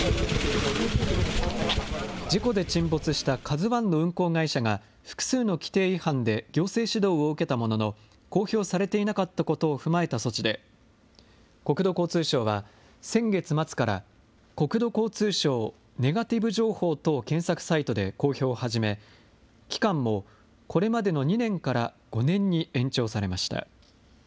事故で沈没したＫＡＺＵＩの運航会社が、複数の規程違反で行政指導を受けたものの、公表されていなかったことを踏まえた措置で、国土交通省は、先月末から、国土交通省ネガティブ情報等検索サイトで公表を始め、期間もこれまでの２年から５年に延長されました。